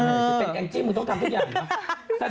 ที่เคยให้ไปจริงจักร